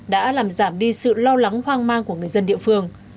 đã làm giảm đi sự lo lắng hoang mang của người dân địa phương